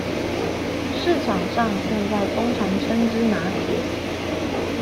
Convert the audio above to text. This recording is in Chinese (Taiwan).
市場上現在通常稱之拿鐵